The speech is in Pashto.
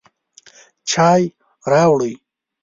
چای راوړئ